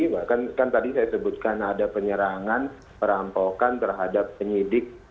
bahkan kan tadi saya sebutkan ada penyerangan perampokan terhadap penyidik